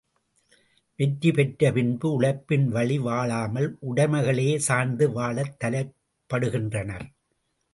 வெற்றி பெற்ற பின்பு உழைப்பின் வழி வாழாமல் உடைமைகளையே சார்ந்து வாழத் தலைப்படுகின்றனர்.